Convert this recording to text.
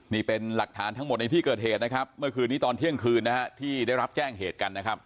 นี่เป็นหลักฐานทั้งหมดในที่เกิดเหตุนะครับเมื่อคืนนี้ตอนเที่ยงคืนนะฮะที่ได้รับแจ้งเหตุกันนะครับ